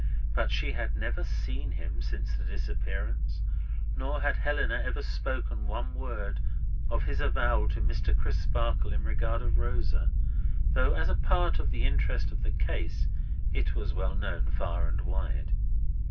But she had never seen him since the disappearance, nor had Helena ever spoken one word of his avowal to Mr. Crisparkle in regard of Rosa, though as a part of the interest of the case it was well known far and wide.